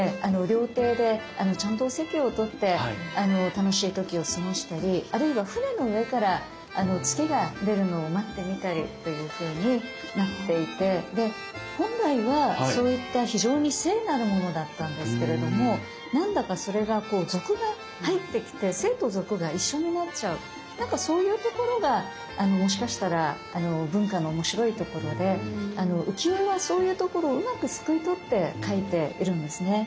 料亭でちゃんとお席を取って楽しい時を過ごしたりあるいは船の上から月が出るのを待ってみたりというふうになっていて本来はそういった非常に聖なるものだったんですけれども何だかそれが俗が入ってきてなんかそういうところがもしかしたら文化の面白いところで浮世絵はそういうところをうまくすくい取って描いているんですね。